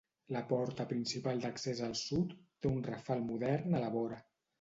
La porta principal d'accés al sud té un rafal modern a la vora.